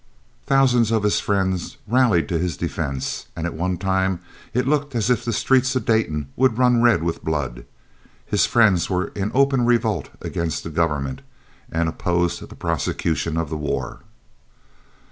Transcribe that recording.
Thousands of his friends rallied to his defence, and at one time it looked as if the streets of Dayton would run red with blood. His friends were in open revolt against the government, and opposed the prosecution of the war.